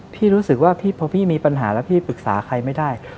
พี่รู้สึกว่าพอพี่มีปัญหาแล้วพี่ปรึกษาใครไม่ได้